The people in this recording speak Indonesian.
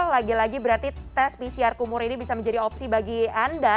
lagi lagi berarti tes pcr kumur ini bisa menjadi opsi bagi anda